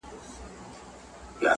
نه غلجي او نه ساپي نه بارکزي یم